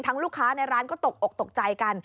ลูกค้าในร้านก็ตกอกตกใจกัน